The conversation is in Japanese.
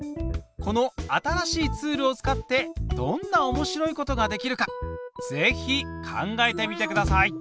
この新しいツールを使ってどんなおもしろいことができるかぜひ考えてみてください！